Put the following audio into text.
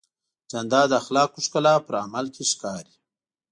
جانداد د اخلاقو ښکلا په عمل کې ښکاري.